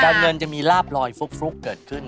การเงินจะมีราบรอยฟุกเกิดขึ้น